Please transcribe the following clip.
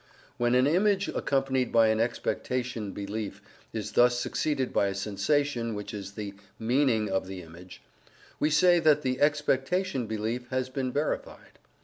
When an image accompanied by an expectation belief is thus succeeded by a sensation which is the "meaning" of the image, we say that the expectation belief has been verified.